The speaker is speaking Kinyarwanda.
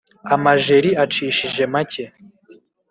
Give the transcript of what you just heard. Amajeri acishije make